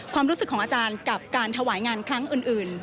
ความรู้สึกของอาจารย์กับการถวายงานครั้งอื่น